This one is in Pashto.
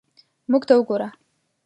موږ ته وګوره.